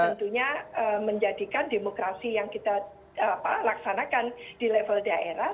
tentunya menjadikan demokrasi yang kita laksanakan di level daerah